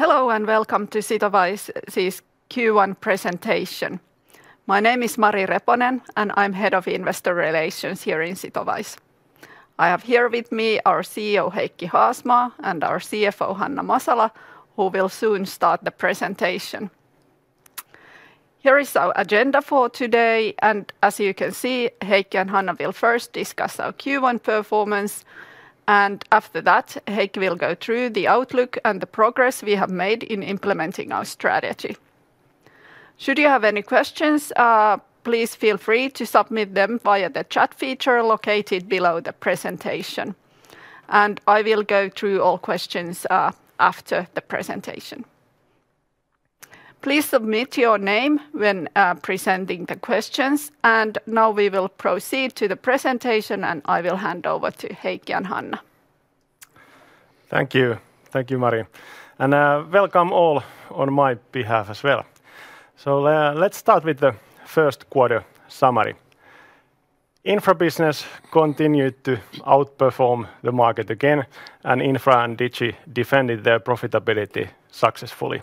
Hello, and welcome to Sitowise's Q1 presentation. My name is Mari Reponen, and I'm Head of Investor Relations here in Sitowise. I have here with me our CEO, Heikki Haasmaa, and our CFO, Hanna Masala, who will soon start the presentation. Here is our agenda for today, and as you can see, Heikki and Hanna will first discuss our Q1 performance, and after that, Heikki will go through the outlook and the progress we have made in implementing our strategy. Should you have any questions, please feel free to submit them via the chat feature located below the presentation, and I will go through all questions after the presentation. Please submit your name when presenting the questions, and now we will proceed to the presentation, and I will hand over to Heikki and Hanna. Thank you. Thank you, Mari, and, welcome all on my behalf as well. So let's start with the first quarter summary. Infra business continued to outperform the market again, and Infra and Digi defended their profitability successfully.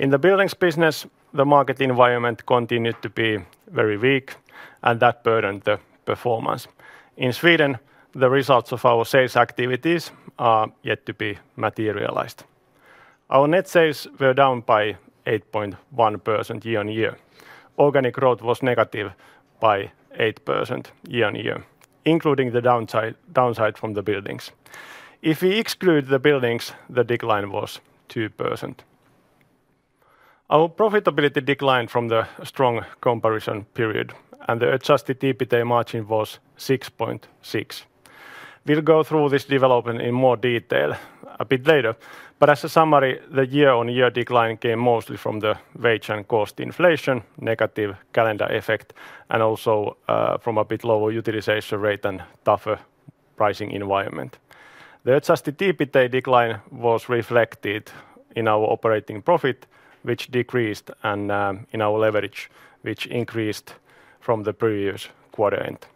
In the Buildings business, the market environment continued to be very weak, and that burdened the performance. In Sweden, the results of our sales activities are yet to be materialized. Our net sales were down by 8.1% year-on-year. Organic growth was negative by 8% year-on-year, including the downside from the Buildings. If we exclude the Buildings, the decline was 2%. Our profitability declined from the strong comparison period, and the adjusted EBITA margin was 6.6%. We'll go through this development in more detail a bit later, but as a summary, the year-on-year decline came mostly from the wage and cost inflation, negative calendar effect, and also from a bit lower utilization rate and tougher pricing environment. The Adjusted EBITA decline was reflected in our operating profit, which decreased, and in our leverage, which increased from the previous quarter end.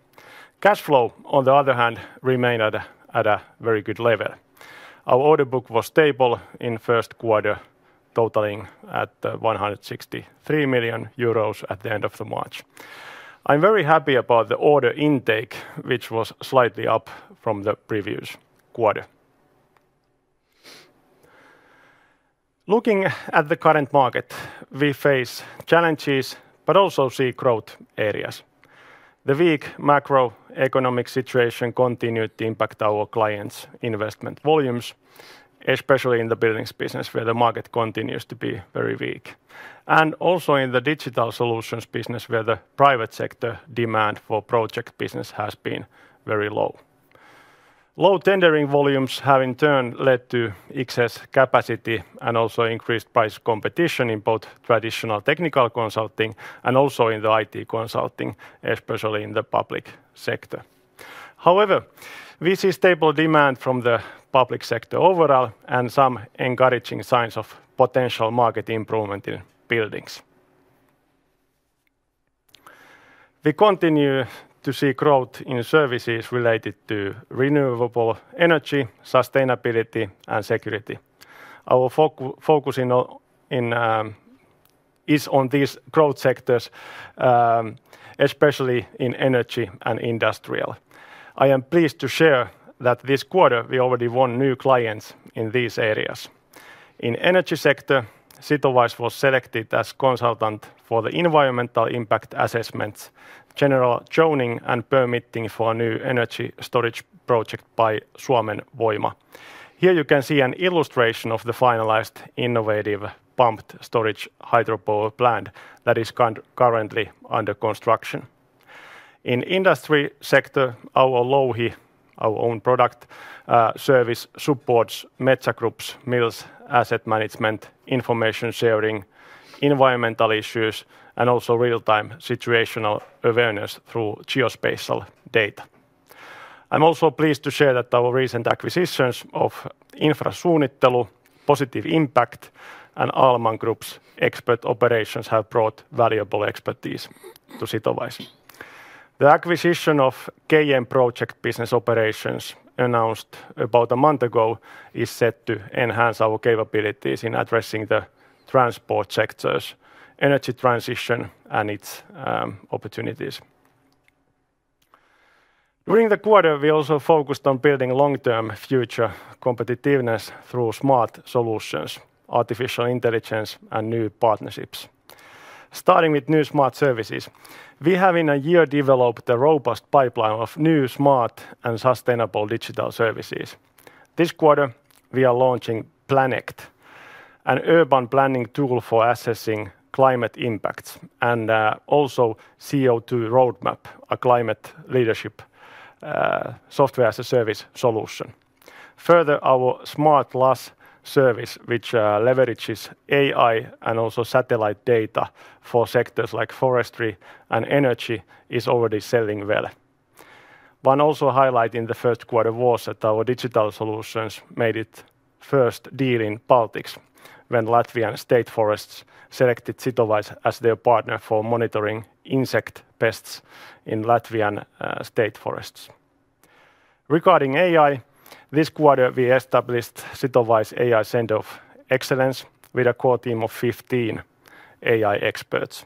Cash flow, on the other hand, remained at a very good level. Our order book was stable in first quarter, totaling at 163 million euros at the end of March. I'm very happy about the order intake, which was slightly up from the previous quarter. Looking at the current market, we face challenges but also see growth areas. The weak macroeconomic situation continued to impact our clients' investment volumes, especially in the Buildings business, where the market continues to be very weak, and also in the Digital Solutions business, where the private sector demand for project business has been very low. Low tendering volumes have in turn led to excess capacity and also increased price competition in both traditional technical consulting and also in the IT consulting, especially in the public sector. However, we see stable demand from the public sector overall and some encouraging signs of potential market improvement in Buildings. We continue to see growth in services related to renewable energy, sustainability, and security. Our focus is on these growth sectors, especially in energy and industrial. I am pleased to share that this quarter, we already won new clients in these areas. In energy sector, Sitowise was selected as consultant for the environmental impact assessments, general zoning, and permitting for a new energy storage project by Suomen Voima. Here you can see an illustration of the finalized innovative pumped storage hydropower plant that is currently under construction. In industry sector, our Louhi, our own product, service, supports Metsä Group's mills, asset management, information sharing, environmental issues, and also real-time situational awareness through geospatial data. I'm also pleased to share that our recent acquisitions of Infrasuunnittelu, Positive Impact, and Ahlman Group's expert operations have brought valuable expertise to Sitowise. The acquisition of KM Project business operations, announced about a month ago, is set to enhance our capabilities in addressing the transport sector's energy transition and its, opportunities. During the quarter, we also focused on building long-term future competitiveness through smart solutions, artificial intelligence, and new partnerships. Starting with new smart services, we have in a year developed a robust pipeline of new, smart, and sustainable digital services. This quarter, we are launching Planect, an urban planning tool for assessing climate impacts, and also CO2 Roadmap, a climate leadership software-as-a-service solution. Further, our Smartlas service, which leverages AI and also satellite data for sectors like forestry and energy, is already selling well. One also highlight in the first quarter was that our Digital Solutions made its first deal in Baltics when Latvian State Forests selected Sitowise as their partner for monitoring insect pests in Latvian State Forests. Regarding AI, this quarter, we established Sitowise AI Center of Excellence with a core team of 15 AI experts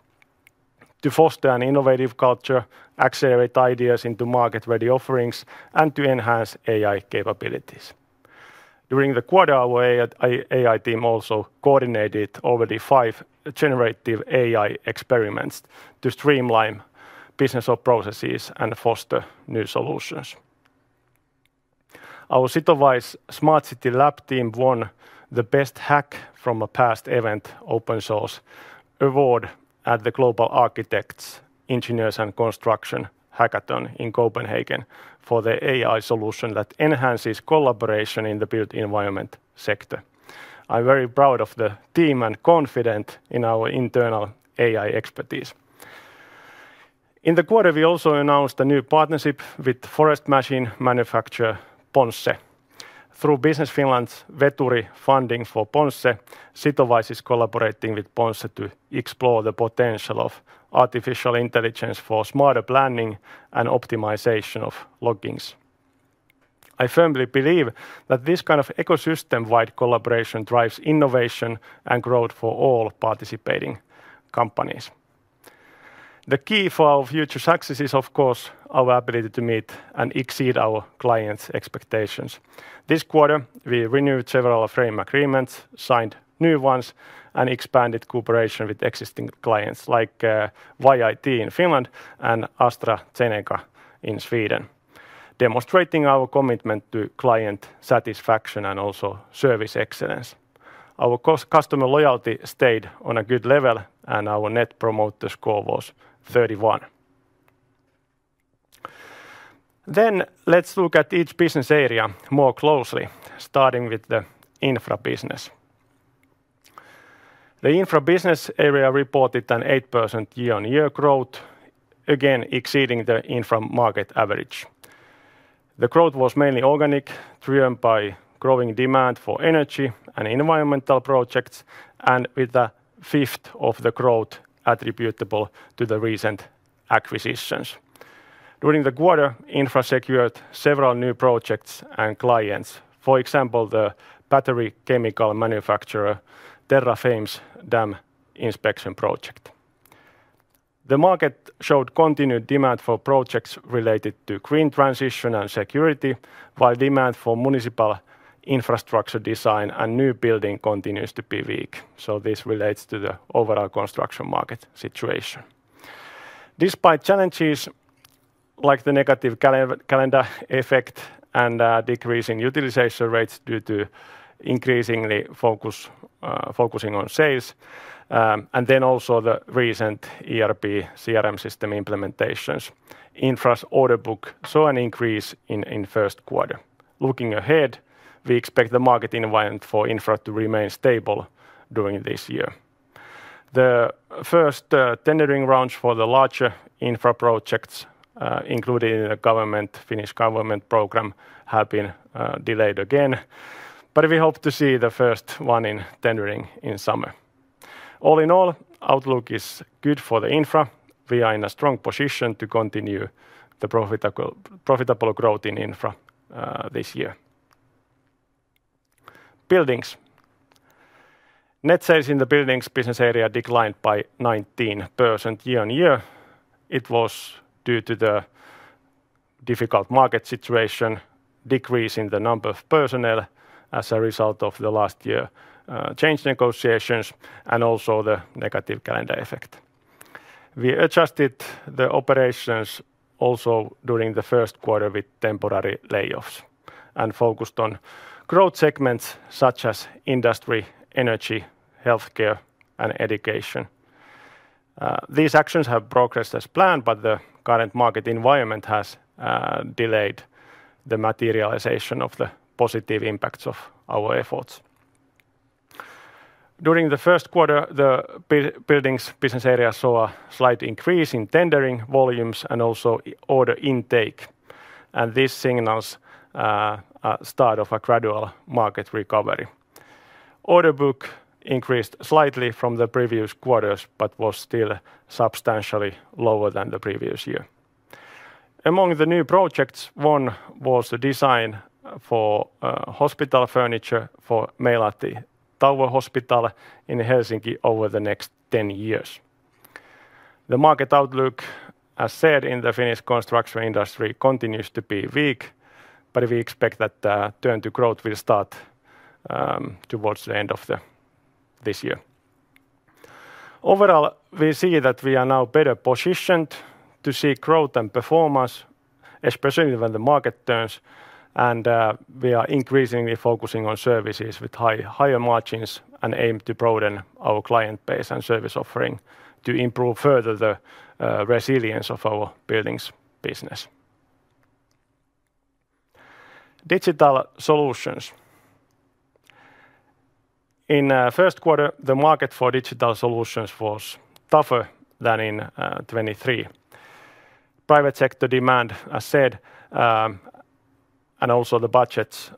to foster an innovative culture, accelerate ideas into market-ready offerings, and to enhance AI capabilities. During the quarter, our AI team also coordinated over the five generative AI experiments to streamline business processes and foster new solutions. Our Sitowise Smart City Lab team won the Best Hack from the Past event, open source award at the Global Architects, Engineers, and Construction Hackathon in Copenhagen for the AI solution that enhances collaboration in the built environment sector. I'm very proud of the team and confident in our internal AI expertise. In the quarter, we also announced a new partnership with forest machine manufacturer Ponsse. Through Business Finland's Veturi funding for Ponsse, Sitowise is collaborating with Ponsse to explore the potential of artificial intelligence for smarter planning and optimization of loggings. I firmly believe that this kind of ecosystem-wide collaboration drives innovation and growth for all participating companies. The key for our future success is, of course, our ability to meet and exceed our clients' expectations. This quarter, we renewed several frame agreements, signed new ones, and expanded cooperation with existing clients like YIT in Finland and AstraZeneca in Sweden, demonstrating our commitment to client satisfaction and also service excellence. Our customer loyalty stayed on a good level, and our net promoter score was 31. Then, let's look at each business area more closely, starting with the Infra business. The Infra business area reported an 8% year-on-year growth, again exceeding the Infra market average. The growth was mainly organic, driven by growing demand for energy and environmental projects, and with a fifth of the growth attributable to the recent acquisitions. During the quarter, Infra secured several new projects and clients. For example, the battery chemical manufacturer Terrafame's dam inspection project. The market showed continued demand for projects related to green transition and security, while demand for municipal infrastructure design and new building continues to be weak, so this relates to the overall construction market situation. Despite challenges, like the negative calendar effect and decreasing utilization rates due to increasingly focusing on sales and then also the recent ERP/CRM system implementations, Infra's order book saw an increase in the first quarter. Looking ahead, we expect the market environment for Infra to remain stable during this year. The first tendering rounds for the larger Infra projects, including the Finnish government program, have been delayed again, but we hope to see the first one in tendering in summer. All in all, outlook is good for the Infra. We are in a strong position to continue the profitable, profitable growth in Infra this year. Buildings. Net sales in the Buildings business area declined by 19% year-on-year. It was due to the difficult market situation, decrease in the number of personnel as a result of the last year change negotiations, and also the negative calendar effect. We adjusted the operations also during the first quarter with temporary layoffs and focused on growth segments such as industry, energy, healthcare, and education. These actions have progressed as planned, but the current market environment has delayed the materialization of the positive impacts of our efforts. During the first quarter, the Buildings business area saw a slight increase in tendering volumes and also order intake, and this signals a start of a gradual market recovery. Order book increased slightly from the previous quarters but was still substantially lower than the previous year. Among the new projects, one was the design for hospital furniture for Meilahti Tower Hospital in Helsinki over the next 10 years. The market outlook, as said in the Finnish construction industry, continues to be weak, but we expect that the turn to growth will start towards the end of this year. Overall, we see that we are now better positioned to see growth and performance, especially when the market turns, and we are increasingly focusing on services with higher margins and aim to broaden our client base and service offering to improve further the resilience of our Buildings business. Digital solutions. In first quarter, the market for Digital Solutions was tougher than in 2023. Private sector demand, as said, and also the budgets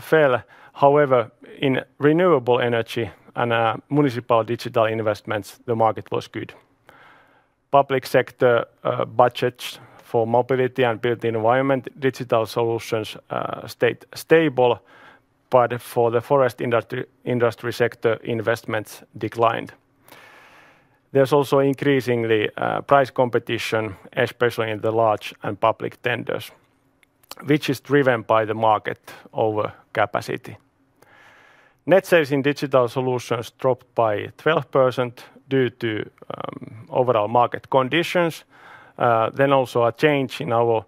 fell. However, in renewable energy and municipal digital investments, the market was good. Public sector budgets for mobility and built environment, Digital Solutions, stayed stable, but for the forest industry, industry sector, investments declined. There's also increasingly price competition, especially in the large and public tenders, which is driven by the market over capacity. Net sales in Digital Solutions dropped by 12% due to overall market conditions, then also a change in our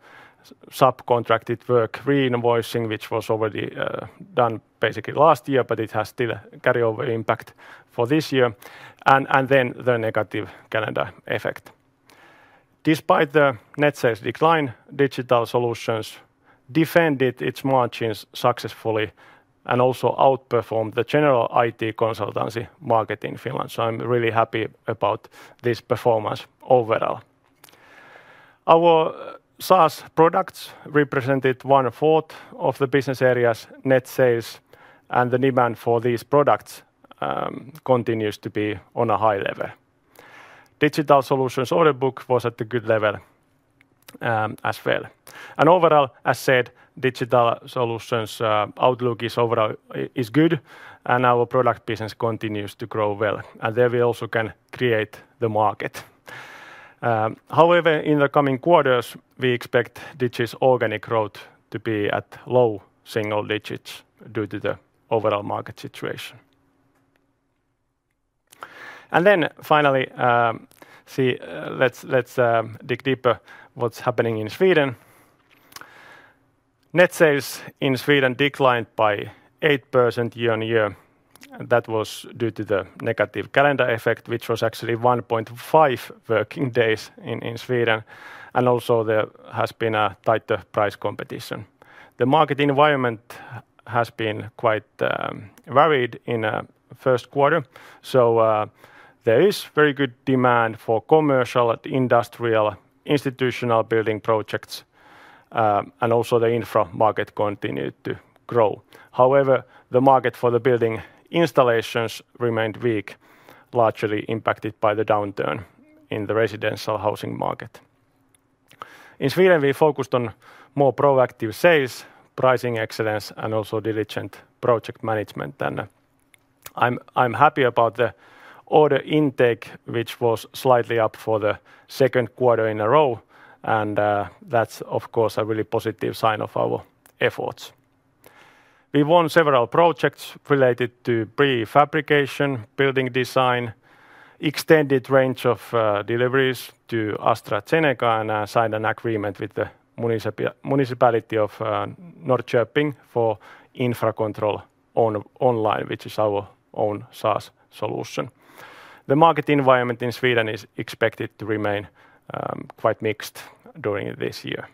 subcontracted work reinvoicing, which was already done basically last year, but it has still carryover impact for this year, and then the negative calendar effect. Despite the net sales decline, Digital Solutions defended its margins successfully and also outperformed the general IT consultancy market in Finland. So I'm really happy about this performance overall. Our SaaS products represented one-fourth of the business area's net sales, and the demand for these products continues to be on a high level. Digital Solutions order book was at a good level, as well. Overall, as said, Digital Solutions outlook is overall good, and our product business continues to grow well, and there we also can create the market. However, in the coming quarters, we expect Digital Solutions' organic growth to be at low single digits due to the overall market situation. Then finally, let's dig deeper what's happening in Sweden. Net sales in Sweden declined by 8% year-over-year, and that was due to the negative calendar effect, which was actually 1.5 working days in Sweden, and also there has been a tighter price competition. The market environment has been quite varied in first quarter, so there is very good demand for commercial and industrial institutional building projects, and also the infra market continued to grow. However, the market for the building installations remained weak, largely impacted by the downturn in the residential housing market. In Sweden, we focused on more proactive sales, pricing excellence, and also diligent project management. And I'm happy about the order intake, which was slightly up for the second quarter in a row, and that's of course a really positive sign of our efforts. We won several projects related to pre-fabrication, building design, extended range of deliveries to AstraZeneca, and signed an agreement with the municipality of Norrköping for Infracontrol Online, which is our own SaaS solution. The market environment in Sweden is expected to remain quite mixed during this year.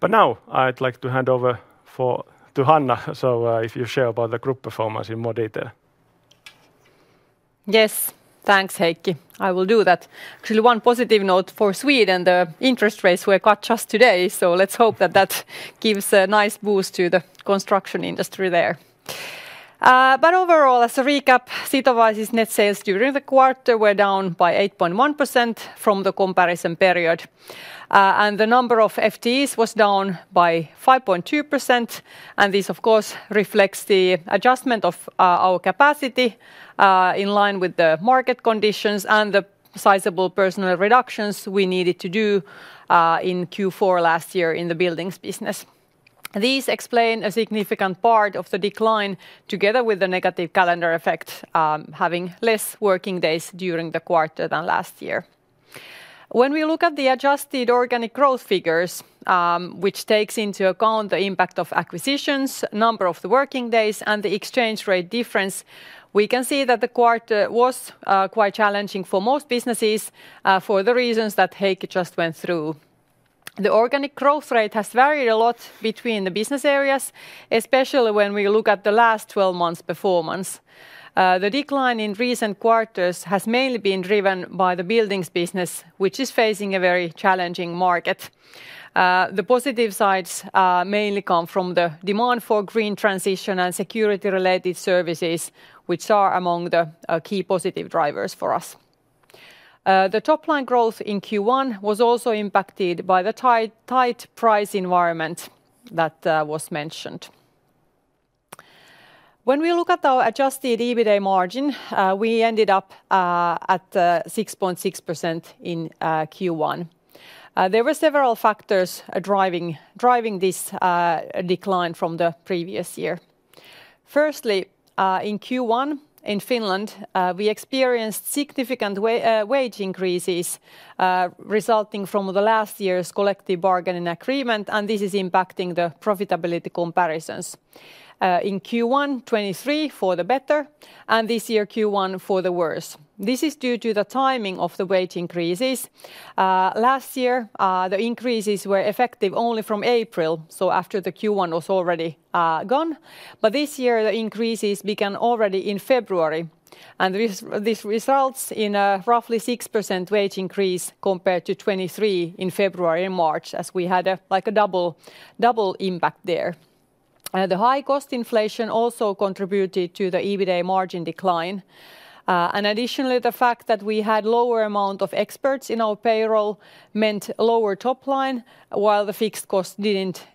But now I'd like to hand over to Hanna, so if you share about the group performance in more detail. Yes, thanks, Heikki. I will do that. Actually, one positive note for Sweden, the interest rates were cut just today, so let's hope that that gives a nice boost to the construction industry there. But overall, as a recap, Sitowise's net sales during the quarter were down by 8.1% from the comparison period. And the number of FTEs was down by 5.2%, and this, of course, reflects the adjustment of our capacity in line with the market conditions and the sizable personnel reductions we needed to do in Q4 last year in the Buildings business. These explain a significant part of the decline, together with the negative calendar effect, having less working days during the quarter than last year. When we look at the adjusted organic growth figures, which takes into account the impact of acquisitions, number of the working days, and the exchange rate difference, we can see that the quarter was quite challenging for most businesses, for the reasons that Heikki just went through. The organic growth rate has varied a lot between the business areas, especially when we look at the last 12 months' performance. The decline in recent quarters has mainly been driven by the Buildings business, which is facing a very challenging market. The positive sides mainly come from the demand for green transition and security-related services, which are among the key positive drivers for us. The top line growth in Q1 was also impacted by the tight, tight price environment that was mentioned. When we look at our Adjusted EBITA margin, we ended up at 6.6% in Q1. There were several factors driving this decline from the previous year. Firstly, in Q1, in Finland, we experienced significant wage increases resulting from the last year's collective bargaining agreement, and this is impacting the profitability comparisons. In Q1 2023 for the better, and this year, Q1 for the worse. This is due to the timing of the wage increases. Last year, the increases were effective only from April, so after the Q1 was already gone. But this year, the increases began already in February, and this results in a roughly 6% wage increase compared to 2023 in February and March, as we had a, like a double impact there. The high cost inflation also contributed to the EBITA margin decline. And additionally, the fact that we had lower amount of experts in our payroll meant lower top line, while the fixed cost didn't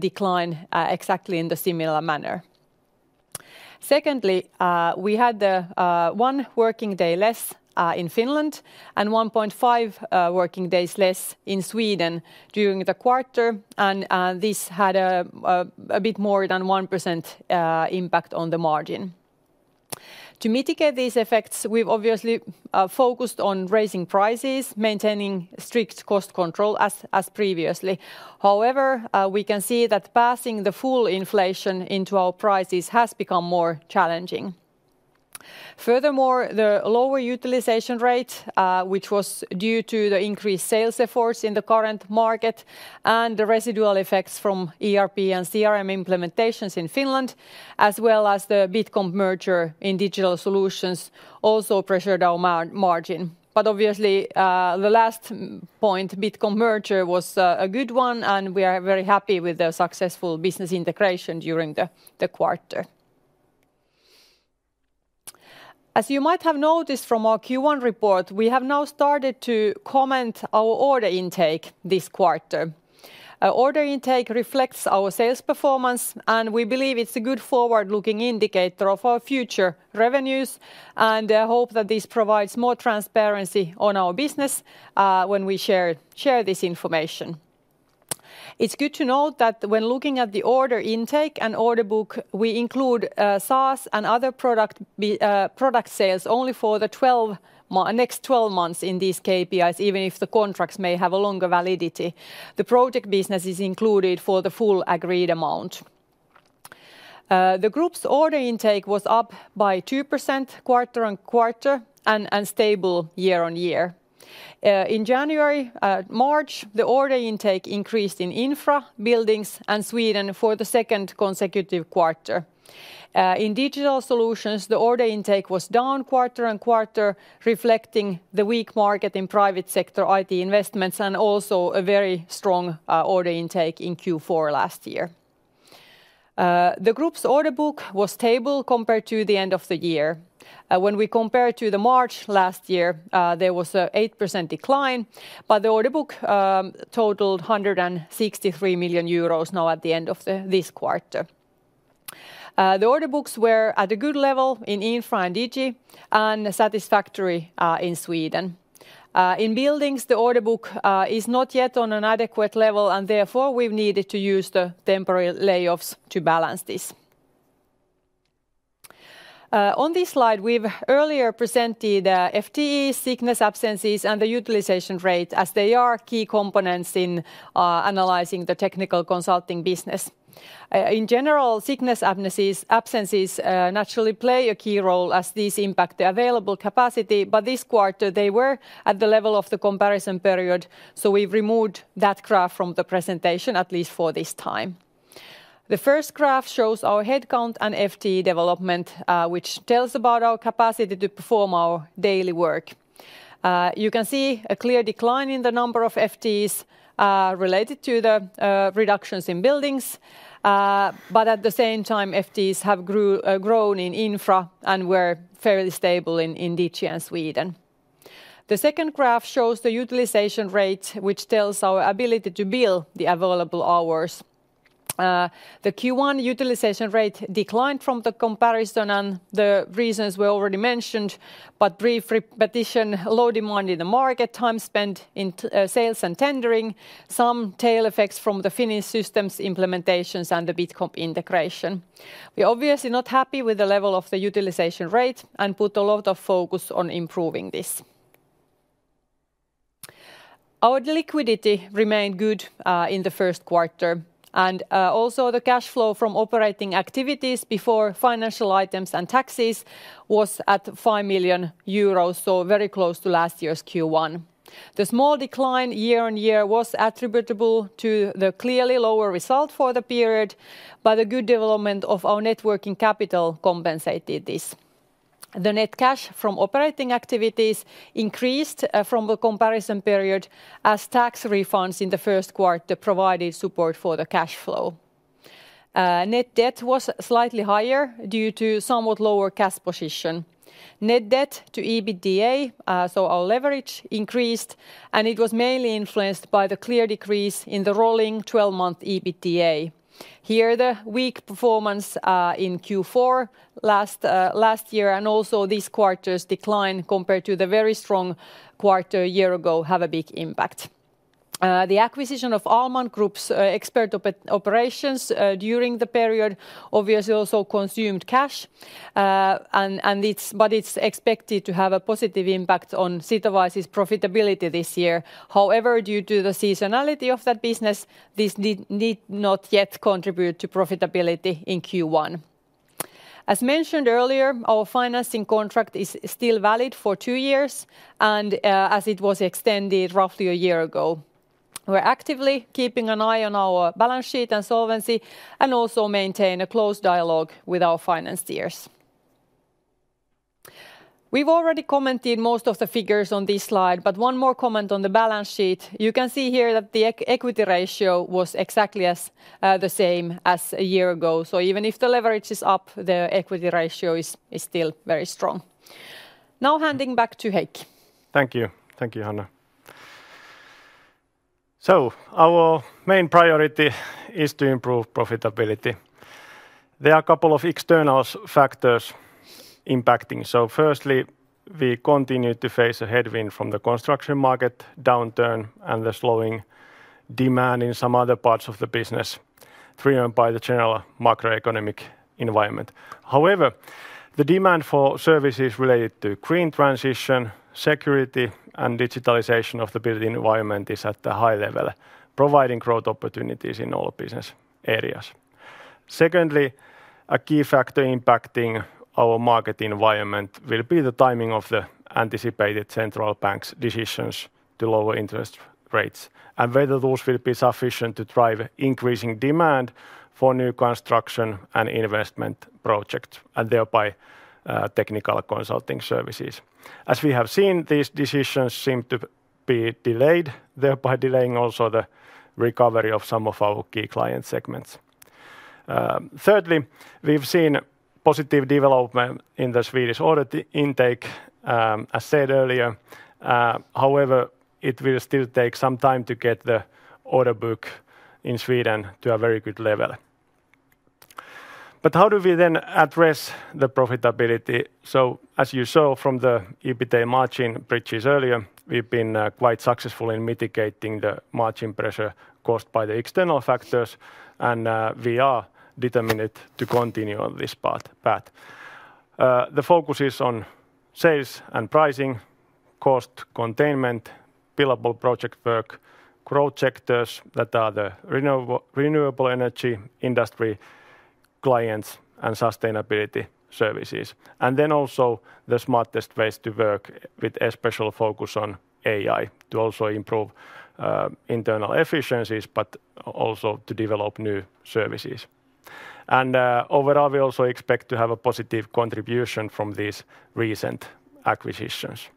decline exactly in the similar manner. Secondly, we had the one working day less in Finland, and 1.5 working days less in Sweden during the quarter, and this had a bit more than 1% impact on the margin. To mitigate these effects, we've obviously focused on raising prices, maintaining strict cost control, as previously. However, we can see that passing the full inflation into our prices has become more challenging. Furthermore, the lower utilization rate, which was due to the increased sales efforts in the current market, and the residual effects from ERP and CRM implementations in Finland, as well as the Bitcomp merger in Digital Solutions, also pressured our margin. But obviously, the last point, Bitcomp merger, was a good one, and we are very happy with the successful business integration during the quarter. As you might have noticed from our Q1 report, we have now started to comment our order intake this quarter. Our order intake reflects our sales performance, and we believe it's a good forward-looking indicator of our future revenues, and hope that this provides more transparency on our business, when we share this information. It's good to note that when looking at the order intake and order book, we include SaaS and other product sales only for the next 12 months in these KPIs, even if the contracts may have a longer validity. The project business is included for the full agreed amount. The group's order intake was up by 2% quarter-on-quarter, and stable year-on-year. In January-March, the order intake increased in Infra, Buildings, and Sweden for the second consecutive quarter. In Digital Solutions, the order intake was down quarter-on-quarter, reflecting the weak market in private sector IT investments, and also a very strong order intake in Q4 last year. The group's order book was stable compared to the end of the year. When we compare to March last year, there was an 8% decline, but the order book totaled 163 million euros now at the end of this quarter. The order books were at a good level in Infra and Digi, and satisfactory in Sweden. In Buildings, the order book is not yet on an adequate level, and therefore, we've needed to use the temporary layoffs to balance this. On this slide, we've earlier presented FTE sickness absences and the utilization rate, as they are key components in analyzing the technical consulting business. In general, sickness absences naturally play a key role, as these impact the available capacity, but this quarter they were at the level of the comparison period, so we've removed that graph from the presentation, at least for this time. The first graph shows our headcount and FTE development, which tells about our capacity to perform our daily work. You can see a clear decline in the number of FTEs, related to the reductions in Buildings. But at the same time, FTEs have grown in Infra and were fairly stable in Digi and Sweden. The second graph shows the utilization rate, which tells our ability to bill the available hours. The Q1 utilization rate declined from the comparison, and the reasons were already mentioned, but brief repetition, low demand in the market, time spent in sales and tendering, some tail effects from the Finnish systems implementations, and the Bitcomp integration. We're obviously not happy with the level of the utilization rate, and put a lot of focus on improving this. Our liquidity remained good in the first quarter. The cash flow from operating activities before financial items and taxes was at 5 million euros, so very close to last year's Q1. The small decline year-on-year was attributable to the clearly lower result for the period, but the good development of our working capital compensated this. The net cash from operating activities increased from the comparison period, as tax refunds in the first quarter provided support for the cash flow. Net debt was slightly higher due to somewhat lower cash position. Net debt to EBITDA, so our leverage increased, and it was mainly influenced by the clear decrease in the rolling 12-month EBITDA. Here, the weak performance in Q4 last year, and also this quarter's decline compared to the very strong quarter a year ago, have a big impact. The acquisition of Ahlman Group's expert operations during the period obviously also consumed cash. And it's expected to have a positive impact on Sitowise's profitability this year. However, due to the seasonality of that business, this did not yet contribute to profitability in Q1. As mentioned earlier, our financing contract is still valid for two years, and as it was extended roughly a year ago. We're actively keeping an eye on our balance sheet and solvency, and also maintain a close dialogue with our financiers. We've already commented most of the figures on this slide, but one more comment on the balance sheet. You can see here that the equity ratio was exactly the same as a year ago. So even if the leverage is up, the equity ratio is still very strong. Now handing back to Heikki. Thank you. Thank you, Hanna. So our main priority is to improve profitability. There are a couple of external factors impacting. So firstly, we continue to face a headwind from the construction market downturn and the slowing demand in some other parts of the business, driven by the general macroeconomic environment. However, the demand for services related to green transition, security, and digitalization of the built environment is at a high level, providing growth opportunities in all business areas. Secondly, a key factor impacting our market environment will be the timing of the anticipated central bank's decisions to lower interest rates, and whether those will be sufficient to drive increasing demand for new construction and investment projects, and thereby, technical consulting services. As we have seen, these decisions seem to be delayed, thereby delaying also the recovery of some of our key client segments. Thirdly, we've seen positive development in the Swedish order intake, as said earlier. However, it will still take some time to get the order book in Sweden to a very good level. But how do we then address the profitability? So as you saw from the EBITDA margin bridges earlier, we've been quite successful in mitigating the margin pressure caused by the external factors, and we are determined to continue on this path. The focus is on sales and pricing, cost containment, billable project work, growth sectors that are the renewable energy industry, clients, and sustainability services, and then also the smartest ways to work, with a special focus on AI, to also improve internal efficiencies, but also to develop new services. And overall, we also expect to have a positive contribution from these recent acquisitions.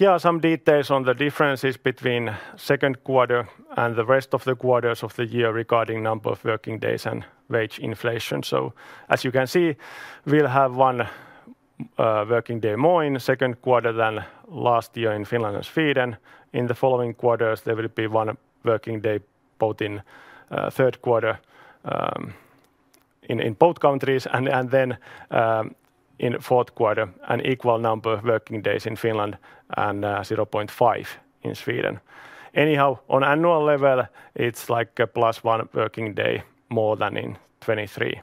Here are some details on the differences between second quarter and the rest of the quarters of the year regarding number of working days and wage inflation. So as you can see, we'll have one working day more in the second quarter than last year in Finland and Sweden. In the following quarters, there will be one working day both in third quarter in both countries, and then in fourth quarter, an equal number of working days in Finland and 0.5 in Sweden. Anyhow, on annual level, it's like a plus one working day more than in 2023.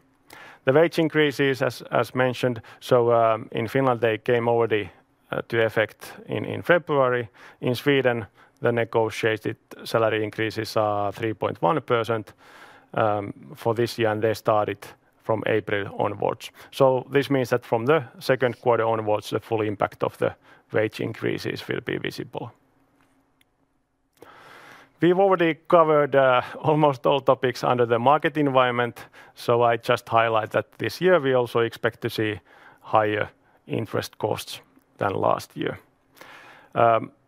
The wage increases, as mentioned, so in Finland, they came already to effect in February. In Sweden, the negotiated salary increases are 3.1% for this year, and they started from April onwards. So this means that from the second quarter onwards, the full impact of the wage increases will be visible. We've already covered almost all topics under the market environment, so I just highlight that this year we also expect to see higher interest costs than last year.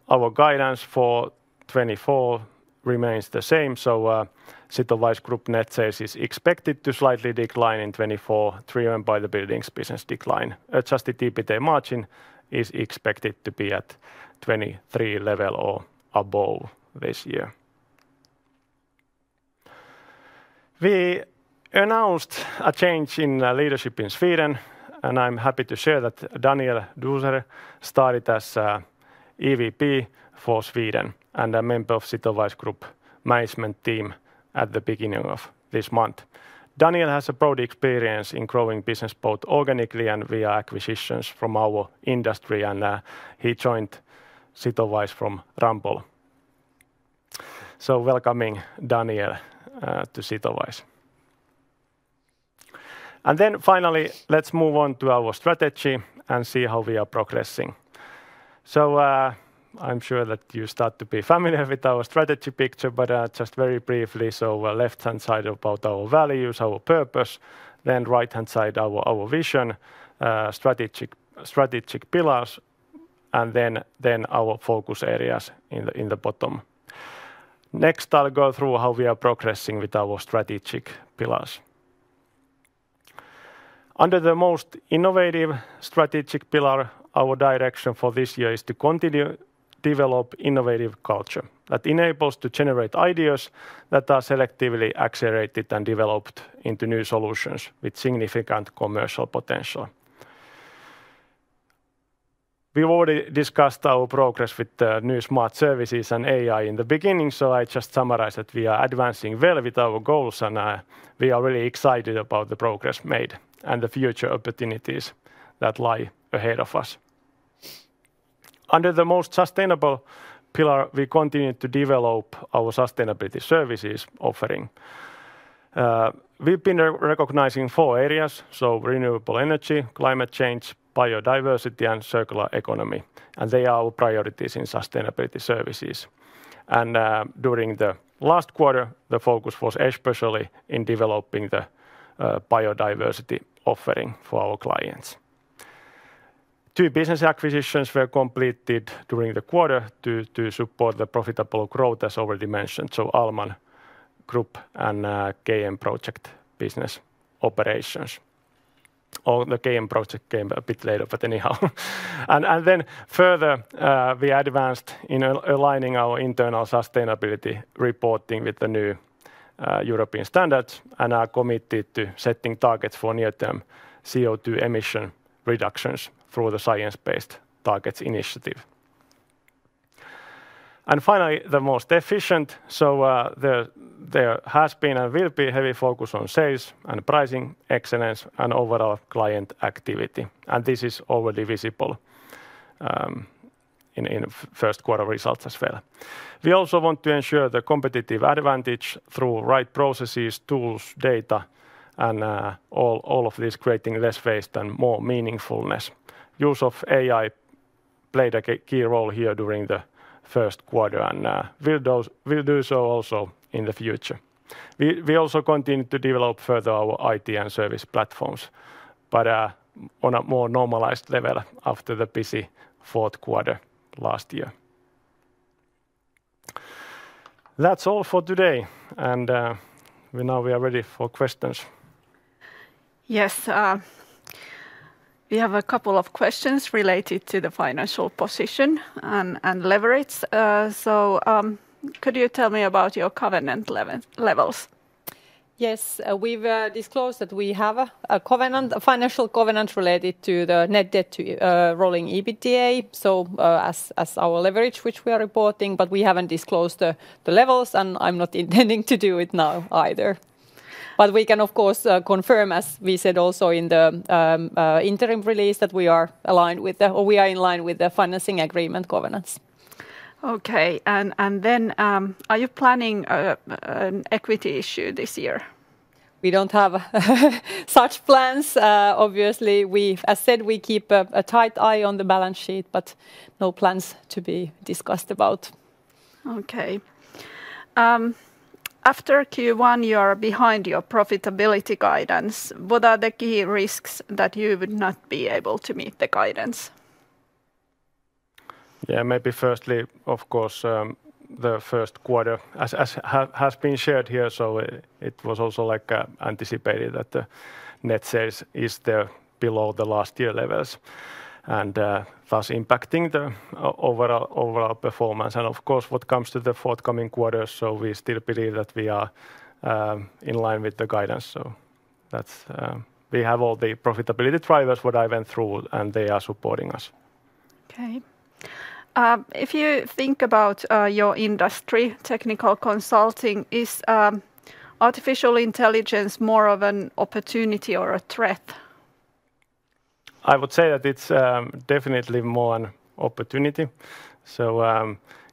Our guidance for 2024 remains the same, so Sitowise Group net sales is expected to slightly decline in 2024, driven by the Buildings business decline. Adjusted EBITA margin is expected to be at 2023 level or above this year. We announced a change in leadership in Sweden, and I'm happy to share that Daniel Doeser started as EVP for Sweden and a member of Sitowise Group Management Team at the beginning of this month. Daniel has a broad experience in growing business, both organically and via acquisitions from our industry, and he joined Sitowise from Ramboll. So, welcoming Daniel to Sitowise. Then finally, let's move on to our strategy and see how we are progressing. So, I'm sure that you start to be familiar with our strategy picture, but just very briefly, so left-hand side about our values, our purpose, then right-hand side, our, our vision, strategic, strategic pillars, and then, then our focus areas in the, in the bottom. Next, I'll go through how we are progressing with our strategic pillars. Under the most innovative strategic pillar, our direction for this year is to continue to develop innovative culture that enables to generate ideas that are selectively accelerated and developed into new solutions with significant commercial potential. We've already discussed our progress with the new smart services and AI in the beginning, so I just summarize that we are advancing well with our goals, and, we are really excited about the progress made and the future opportunities that lie ahead of us. Under the most sustainable pillar, we continue to develop our sustainability services offering. We've been recognizing four areas, so renewable energy, climate change, biodiversity, and circular economy, and they are our priorities in sustainability services. And, during the last quarter, the focus was especially in developing the biodiversity offering for our clients. Two business acquisitions were completed during the quarter to support the profitable growth, as already mentioned, so Ahlman Group and KM Project business operations. Or the KM Project came a bit later, but anyhow, and then further, we advanced in aligning our internal sustainability reporting with the new European standards, and are committed to setting targets for near-term CO2 emission reductions through the Science Based Targets initiative. And finally, the most efficient, there has been and will be heavy focus on sales and pricing excellence and overall client activity, and this is already visible in first quarter results as well. We also want to ensure the competitive advantage through right processes, tools, data, and all of this creating less waste and more meaningfulness. Use of AI played a key role here during the first quarter, and will do so also in the future. We also continue to develop further our IT and service platforms, but on a more normalized level after the busy fourth quarter last year. That's all for today, and now we are ready for questions. Yes, we have a couple of questions related to the financial position and leverage. So, could you tell me about your covenant levels? Yes. We've disclosed that we have a covenant, a financial covenant related to the net debt to rolling EBITDA, so as our leverage, which we are reporting, but we haven't disclosed the levels, and I'm not intending to do it now either. But we can, of course, confirm, as we said also in the interim release, that we are aligned with the or we are in line with the financing agreement governance. Okay, and then, are you planning an equity issue this year? We don't have such plans. Obviously, as said, we keep a tight eye on the balance sheet, but no plans to be discussed about. Okay. After Q1, you are behind your profitability guidance. What are the key risks that you would not be able to meet the guidance? Yeah, maybe firstly, of course, the first quarter, as has been shared here, so it was also, like, anticipated that the net sales is there below the last year levels and thus impacting the overall performance. And of course, what comes to the forthcoming quarters, so we still believe that we are in line with the guidance, so that's, we have all the profitability drivers, what I went through, and they are supporting us. Okay. If you think about your industry, technical consulting, is artificial intelligence more of an opportunity or a threat? I would say that it's definitely more an opportunity. So,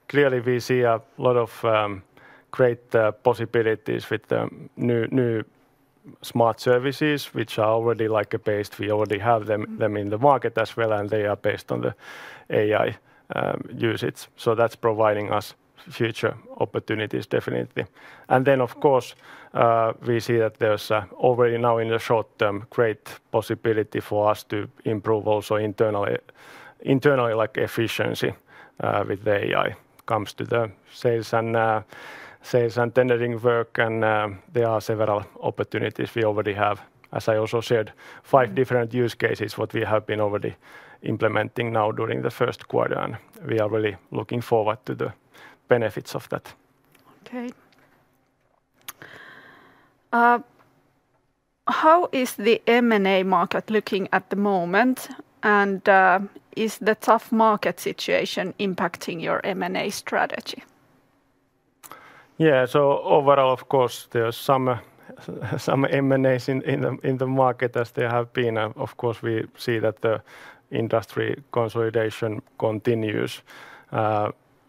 clearly we see a lot of great possibilities with the new, new smart services which are already like a base. We already have them in the market as well, and they are based on the AI usage, so that's providing us future opportunities, definitely. And then, of course, we see that there's already now in the short term, great possibility for us to improve also internally, like efficiency, with the AI, comes to the sales and sales and tendering work and, there are several opportunities. We already have, as I also shared, five different use cases what we have been already implementing now during the first quarter, and we are really looking forward to the benefits of that. Okay. How is the M&A market looking at the moment, and is the tough market situation impacting your M&A strategy? Yeah, so overall, of course, there are some M&As in the market, as there have been. And of course, we see that the industry consolidation continues.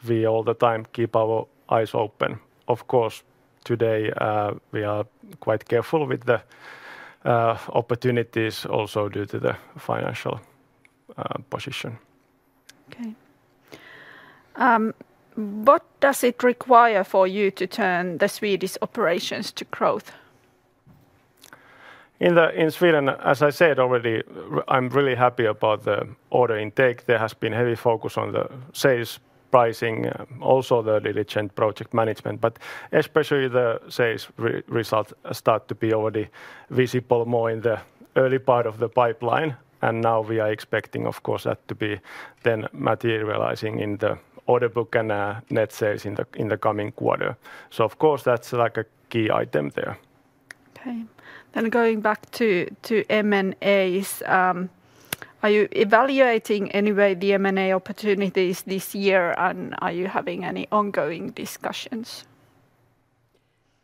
We all the time keep our eyes open. Of course, today, we are quite careful with the opportunities also due to the financial position. Okay. What does it require for you to turn the Swedish operations to growth? In Sweden, as I said already, I'm really happy about the order intake. There has been heavy focus on the sales, pricing, also the diligent project management, but especially the sales results start to be already visible more in the early part of the pipeline, and now we are expecting, of course, that to be then materializing in the order book and net sales in the coming quarter. So of course, that's like a key item there. Okay. Then going back to M&As, are you evaluating anyway the M&A opportunities this year, and are you having any ongoing discussions?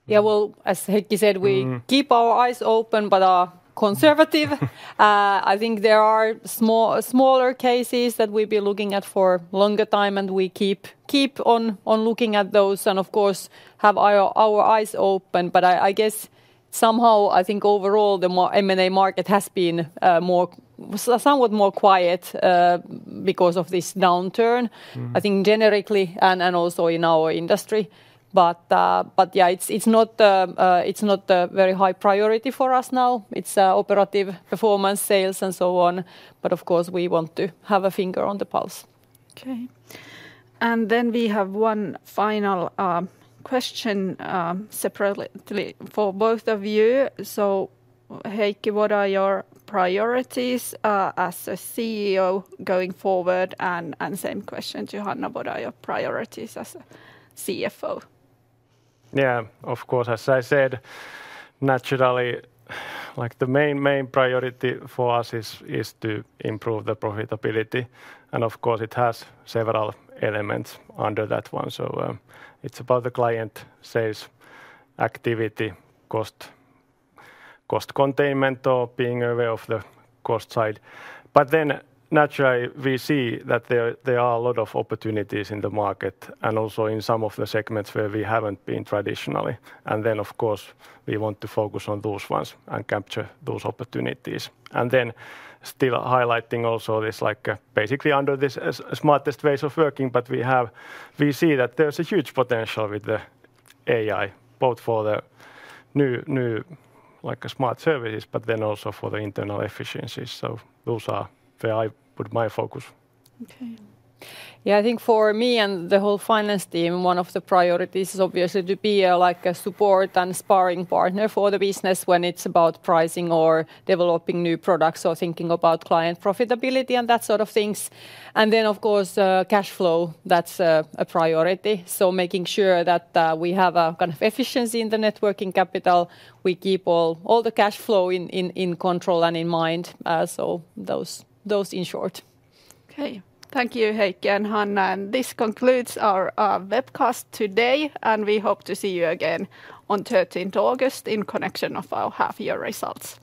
Yeah, well, as Heikki said we keep our eyes open but are conservative. I think there are smaller cases that we've been looking at for longer time, and we keep on looking at those and of course, have our eyes open. But I guess, somehow, I think overall the M&A market has been somewhat more quiet because of this downturn I think generically and also in our industry. But, but yeah, it's, it's not a very high priority for us now. It's operative performance, sales, and so on, but of course, we want to have a finger on the pulse. Okay, and then we have one final question, separately for both of you. So, Heikki, what are your priorities as a CEO going forward? And same question to Hanna, what are your priorities as a CFO? Yeah, of course, as I said, naturally, like, the main priority for us is to improve the profitability, and of course, it has several elements under that one. So, it's about the client sales activity, cost containment or being aware of the cost side. But then naturally, we see that there are a lot of opportunities in the market and also in some of the segments where we haven't been traditionally. And then, of course, we want to focus on those ones and capture those opportunities. And then still highlighting also this, like, basically under this as smartest ways of working, but we see that there's a huge potential with the AI, both for the new, like, smart services, but then also for the internal efficiencies. So those are where I put my focus. Yeah, I think for me and the whole finance team, one of the priorities is obviously to be like a support and sparring partner for the business when it's about pricing or developing new products or thinking about client profitability and that sort of things. And then, of course, cash flow. That's a priority, so making sure that we have a kind of efficiency in the net working capital. We keep all the cash flow in control and in mind. So those in short. Okay. Thank you, Heikki and Hanna, and this concludes our webcast today, and we hope to see you again on 13th August in connection of our half-year results.